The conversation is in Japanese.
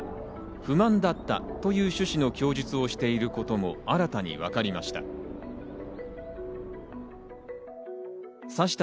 不満だったという趣旨の供述をしていることも新たに分かりました。